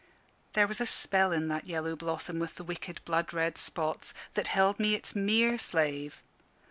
There was a spell in that yellow blossom with the wicked blood red spots, that held me its mere slave.